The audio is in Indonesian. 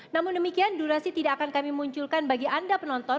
namun demikian durasi tidak akan kami munculkan bagi anda penonton